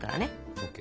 ＯＫ。